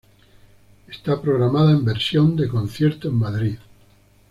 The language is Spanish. Está programada en versión de concierto en Madrid.